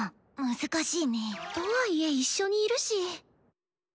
難しいね。とはいえ一緒にいるし。